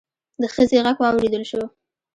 د ښځې غږ واوريدل شو.